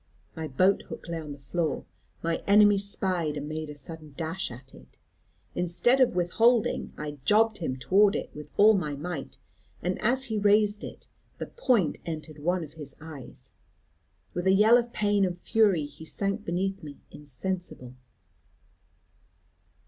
My boat hook lay on the floor, my enemy spied and made a sudden dash at it. Instead of withholding, I jobbed him towards it with all my might, and as he raised it, the point entered one of his eyes. With a yell of pain and fury, he sank beneath me insensible.